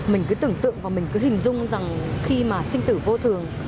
mình cứ tưởng tượng và mình cứ hình dung rằng khi mà sinh tử vô thường